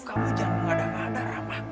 kamu jangan mengadang adang ramak